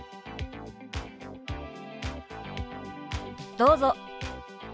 どうぞ。